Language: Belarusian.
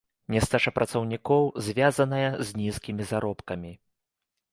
Нястача працаўнікоў звязаная з нізкімі заробкамі.